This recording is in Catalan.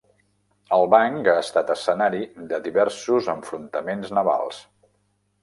El banc ha estat escenari de diversos enfrontaments navals.